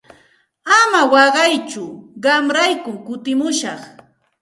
Ama waqaytsu qamraykum kutimushaq.